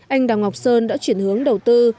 anh đào ngọc sơn đã chuyển hướng đầu tư